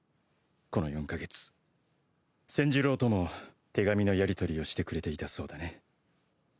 「この４カ月千寿郎とも手紙のやりとりをしてくれていたそうだね」